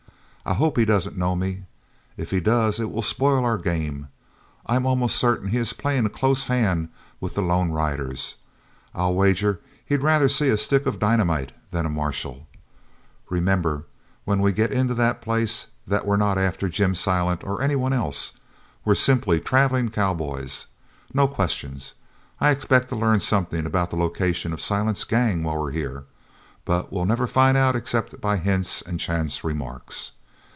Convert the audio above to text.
I hope he doesn't know me. If he does it will spoil our game. I am almost certain he is playing a close hand with the lone riders. I'll wager he'd rather see a stick of dynamite than a marshal. Remember when we get in that place that we're not after Jim Silent or any one else. We're simply travelling cowboys. No questions. I expect to learn something about the location of Silent's gang while we're here, but we'll never find out except by hints and chance remarks.